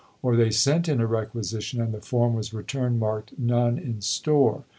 Or they sent in a requisition, and the form was returned, marked "None in store."